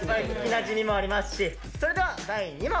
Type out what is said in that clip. それでは第２問。